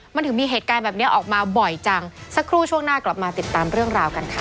มันถึงมีเหตุการณ์แบบนี้ออกมาบ่อยจังสักครู่ช่วงหน้ากลับมาติดตามเรื่องราวกันค่ะ